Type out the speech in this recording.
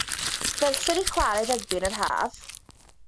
Ddylsen ni chwarae rygbi yn yr Haf?